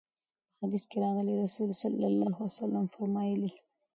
په حديث کي راځي: رسول الله صلی الله عليه وسلم فرمايلي: